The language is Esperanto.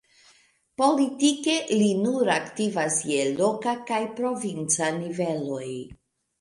Politike li nur aktivas je loka kaj provinca niveloj.